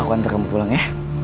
aku antar kamu pulang ya